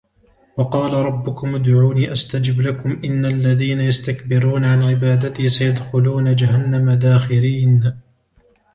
وقال ربكم ادعوني أستجب لكم إن الذين يستكبرون عن عبادتي سيدخلون جهنم داخرين